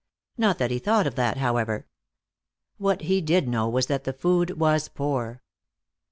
Not that he thought of that, however. What he did know was that the food was poor.